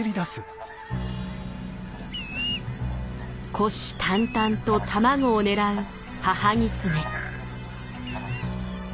虎視眈々と卵を狙う母ギツネ。